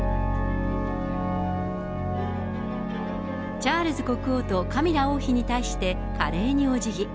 チャールズ国王とカミラ王妃に対して、華麗におじぎ。